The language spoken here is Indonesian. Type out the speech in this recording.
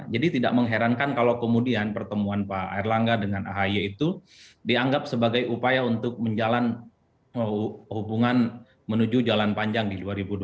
jadi tidak mengherankan kalau kemudian pertemuan pak erlangga dengan aha itu dianggap sebagai upaya untuk menjalan hubungan menuju jalan panjang di dua ribu dua puluh empat